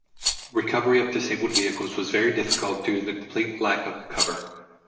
Recovery of disabled vehicles was very difficult due to the complete lack of cover.